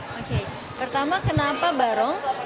oke pertama kenapa barong